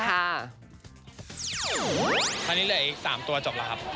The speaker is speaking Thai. ตอนนี้เหลืออีก๓ตัวจบแล้วครับ